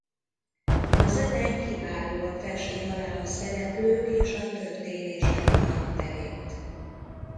A zene kiválóan festi alá a szereplők és a történések karakterét.